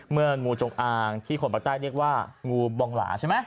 เมื่องูโจงออองที่คนตะละเรียกว่างูบองละใช่ไหม